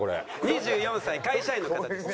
２４歳会社員の方です。